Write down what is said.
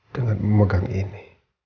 dengan memegang ini